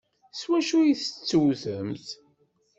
S wacu ay tettewtemt?